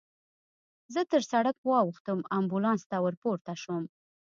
زه تر سړک واوښتم، امبولانس ته ورپورته شوم.